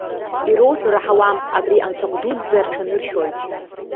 Ироуҳәо раҳауам, абри анцәахә дуӡӡа рҽаныршәоит!